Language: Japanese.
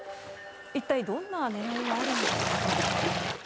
一体どんな狙いがあるのでしょうか。